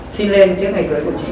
xin lên trước ngày cưới của chị